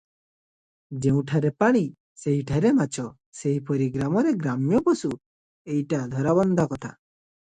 ଯେଉଁଠାରେ ପାଣି, ସେହିଠାରେ ମାଛ, ସେହିପରି ଗ୍ରାମରେ ଗ୍ରାମ୍ୟ ପଶୁ ଏଟା ଧରାବନ୍ଧା କଥା ।